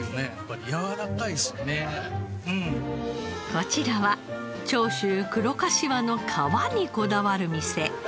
こちらは長州黒かしわの皮にこだわる店。